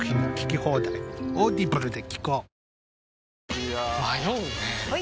いや迷うねはい！